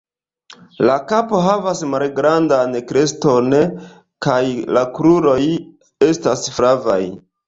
La kapo havas malgrandan kreston, kaj la kruroj estas flavaj.